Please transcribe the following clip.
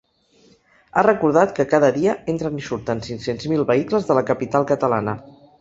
Ha recordat que cada dia entren i surten cinc-cents mil vehicles de la capital catalana.